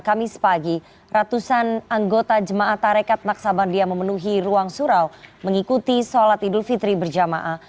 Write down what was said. kamis pagi ratusan anggota jemaah tarekat naksabandia memenuhi ruang surau mengikuti sholat idul fitri berjamaah